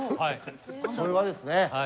それはですね